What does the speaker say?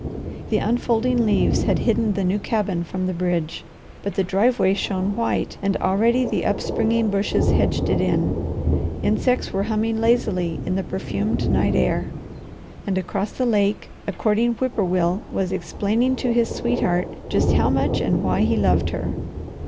The unfolding leaves had hidden the new cabin from the bridge, but the driveway shone white, and already the upspringing bushes hedged it in. Insects were humming lazily in the perfumed night air, and across the lake a courting whip poor will was explaining to his sweetheart just how much and why he loved her.